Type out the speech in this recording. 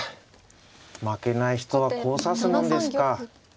負けない人はこう指すもんですか。